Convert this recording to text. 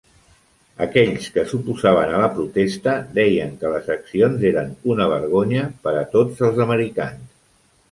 Aquells que s'oposaven a la protesta deien que les accions eren una vergonya per a tots els americans.